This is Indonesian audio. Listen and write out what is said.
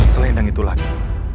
selain yang itu lagi